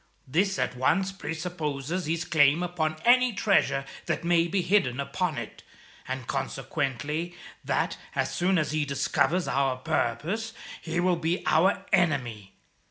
This at once presupposes his claim upon any treasure that may be hidden upon it, and consequently that, as soon as he discovers our purpose, he will be our enemy.